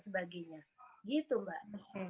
sebagainya gitu mbak